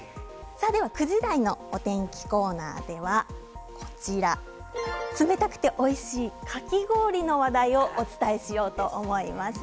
９時台のお天気コーナーは冷たくておいしいかき氷の話題をお伝えしようと思います。